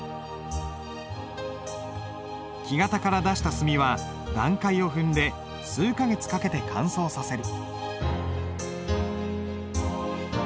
木型から出した墨は段階を踏んで数か月かけて乾燥させる。